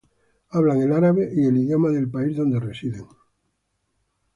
Hablan el árabe y el idioma del país donde residen.